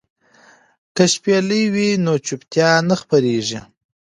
که شپېلۍ وي نو چوپتیا نه خپریږي.